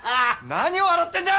何を笑ってんだ！